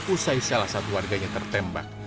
usai salah satu warganya tertembak